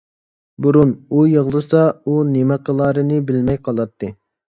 بۇرۇن، ئۇ يىغلىسا، ئۇ نېمە قىلارىنى بىلمەي قالاتتى.